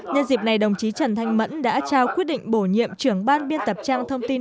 nhân dịp này đồng chí trần thanh mẫn đã trao quyết định bổ nhiệm trưởng ban biên tập trang thông tin